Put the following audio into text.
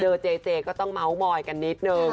เจเจก็ต้องเมาส์มอยกันนิดนึง